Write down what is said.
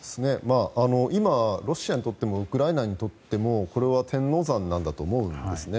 今、ロシアにとってもウクライナにとっても天王山なんだと思うんですね。